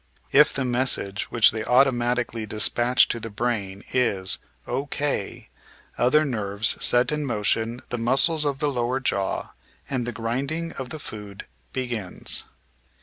If the message which they automatically dispatch to the brain is "O.K." other nerves set in motion the muscles of the lower jaw, and the grinding of the food begins.